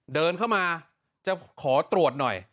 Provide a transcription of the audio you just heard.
เดินเข้ามาจะขอตรวจหน่อย